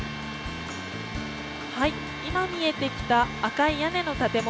今、見えてきた赤い屋根の建物